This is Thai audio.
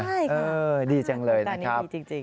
ได้ครับตอนนี้ดีจริงนะครับดีจังเลยนะครับ